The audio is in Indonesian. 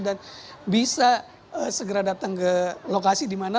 dan bisa segera datang ke lokasi di mana